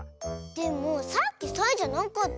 でもさっきサイじゃなかったよ。